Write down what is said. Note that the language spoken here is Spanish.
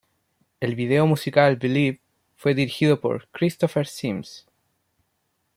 El video musical "Believe" fue dirigido por Christopher Sims.